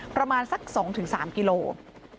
ประมาณสัก๒๓กิโลกรัม